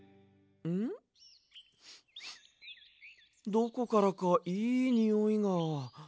どこからかいいにおいが。